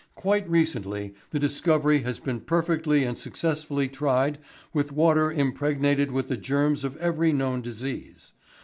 Quite recently the discovery has been perfectly and successfully tried with water impregnated with the germs of every known disease.